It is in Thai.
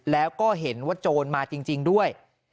แล้วก็เห็นว่าโจรมาจริงด้วย